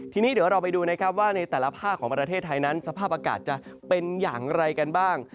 ทีนี้เดี๋ยวเราไปดูนะครับว่าในแต่ละภาคของประเทศไทยนั้นสภาพอากาศจะเป็นอย่างไรกันบ้าง